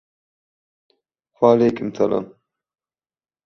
Waleýkim salam